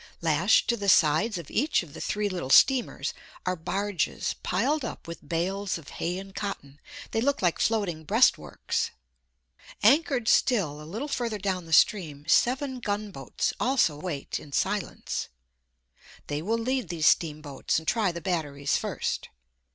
Lashed to the sides of each of the three little steamers are barges piled up with bales of hay and cotton. They look like floating breastworks. Anchored still a little further down the stream seven gunboats also wait in silence. They will lead these steamboats and try the batteries first.